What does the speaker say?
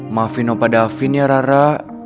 maafin opa davin ya rara